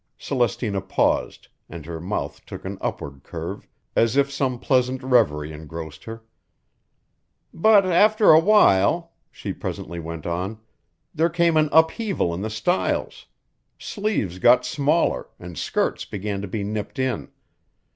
Celestina paused, and her mouth took an upward curve, as if some pleasant reverie engrossed her. "But after a while," she presently went on, "there came an upheaval in the styles; sleeves got smaller, an' skirts began to be nipped in.